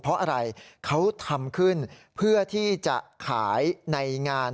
เพราะอะไรเขาทำขึ้นเพื่อที่จะขายในงาน